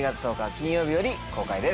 金曜日より公開です。